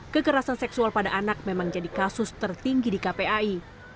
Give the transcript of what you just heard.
kekerasan seksual pada anak memang jadi kasus tertinggi di kpai